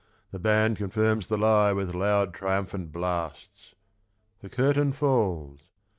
The band Confirms the lie with loud triumphant blasts. The curtain falls.